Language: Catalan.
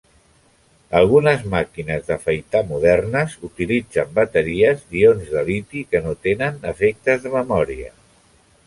Algunes màquines d'afaitar modernes utilitzen bateries d'ions de liti que no tenen efectes de memòria.